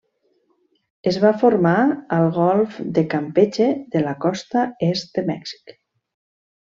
Es va formar al golf de Campeche de la costa est de Mèxic.